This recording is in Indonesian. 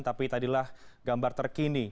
tapi tadilah gambar terkini